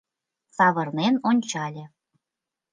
Савырнен ончале.